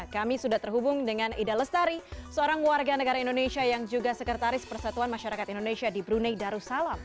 kami sudah terhubung dengan ida lestari seorang warga negara indonesia yang juga sekretaris persatuan masyarakat indonesia di brunei darussalam